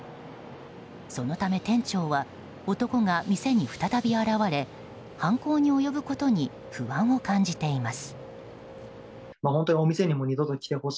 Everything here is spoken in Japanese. そのため店長は男が店に再び現れ犯行に及ぶことに不安を感じています。